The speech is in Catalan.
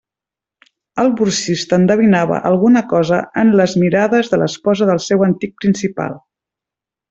El borsista endevinava alguna cosa en les mirades de l'esposa del seu antic principal.